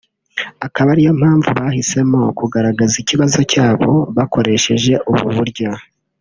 akaba ariyo mpamvu bahisemo kugaragaza ikibazo cyabo bakoresheje ubu buryo